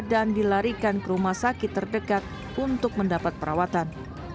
dan dilarikan ke rumah sakit terdekat untuk mendapat perawatan